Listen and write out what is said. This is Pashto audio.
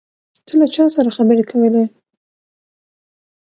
ته له چا سره خبرې کولې؟